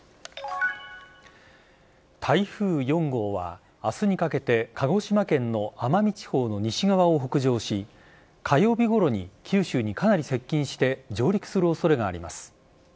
台風４号は明日にかけて鹿児島県の奄美地方の西側を北上し火曜日ごろに九州にかなり接近して上陸する恐れがあります。